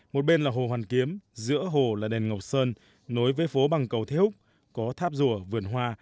một bên là hồ hoàn kiếm giữa hồ là đền ngọc sơn nối với phố bằng cầu thế húc có tháp rùa vườn hoa